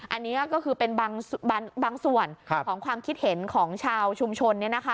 อันนี้ก็คือเป็นบางส่วนของความคิดเห็นของชาวชุมชน